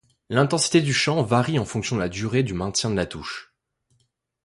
L'intensité du chant varie en fonction de la durée de maintien de la touche.